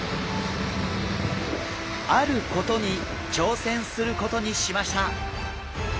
あることに挑戦することにしました。